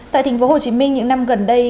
tại tp hcm những năm gần đây